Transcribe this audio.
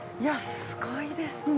◆すごいですね。